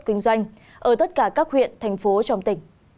kinh doanh ở tất cả các huyện thành phố trong tỉnh